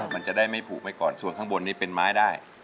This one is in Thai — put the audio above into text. มันจะได้ไม่ผูกไว้ก่อนส่วนข้างบนนี้เป็นไม้ได้